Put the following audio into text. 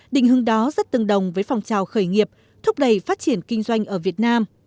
định hướng đó rất tương đồng với phong trào khởi nghiệp thúc đẩy phát triển kinh doanh ở việt nam